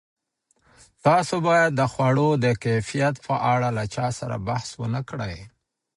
تاسو باید د خوړو د کیفیت په اړه له چا سره بحث ونه کړئ.